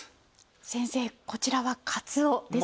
先生こちらはカツオですね。